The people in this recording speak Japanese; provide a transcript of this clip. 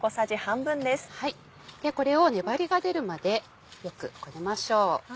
これを粘りが出るまでよくこねましょう。